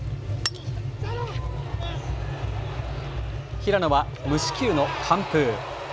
平野は無四球の完封。